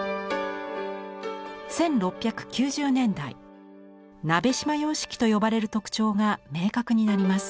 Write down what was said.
１６９０年代鍋島様式と呼ばれる特徴が明確になります。